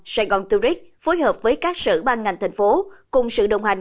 sài gòn touric phối hợp với các sở ban ngành thành phố cùng sự đồng hành